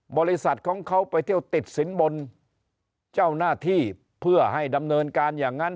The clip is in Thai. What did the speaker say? บริษัทของเขาไปเที่ยวติดสินบนเจ้าหน้าที่เพื่อให้ดำเนินการอย่างนั้น